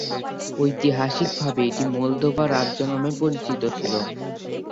ঐতিহাসিকভাবে এটি মলদোভা রাজ্য নামে পরিচিত ছিল।